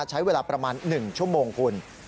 ใช้เวลาประมาณ๑ชั่วโมงคุณ